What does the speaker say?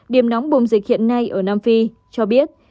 điểm nóng bồng dịch hiện nay ở nam phi cho biết